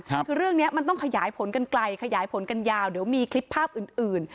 คือเรื่องเนี้ยมันต้องขยายผลกันไกลขยายผลกันยาวเดี๋ยวมีคลิปภาพอื่นอื่น